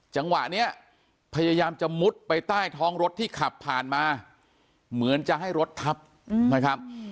จังหวะนี้พยายามจะมุดไปใต้ท้องรถที่ขับผ่านมาเหมือนจะให้รถทับนะครับ